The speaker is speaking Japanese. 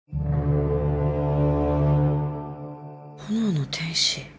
「炎の天使？」